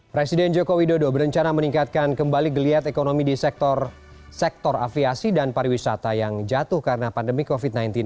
presiden joko widodo berencana meningkatkan kembali geliat ekonomi di sektor aviasi dan pariwisata yang jatuh karena pandemi covid sembilan belas